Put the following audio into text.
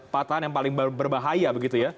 patahan yang paling berbahaya begitu ya